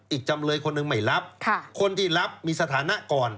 จำเลยคนหนึ่งไม่รับคนที่รับมีสถานะก่อน